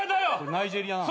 ナイジェリアなの？